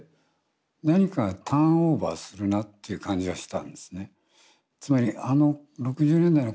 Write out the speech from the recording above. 何かターンオーバーするなっていう感じはしてたんですね。